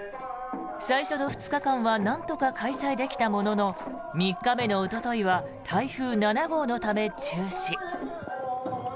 最初の２日間はなんとか開催できたものの３日目のおとといは台風７号のため中止。